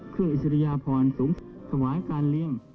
เครื่องอิสริยพรสูงสาวายการเลี้ยง